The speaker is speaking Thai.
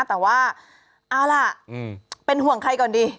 แต่ว่าเอาล่ะเป็นห่วงใครก่อนดี